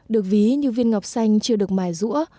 được ví như viên ngọc xanh chưa được mài rũa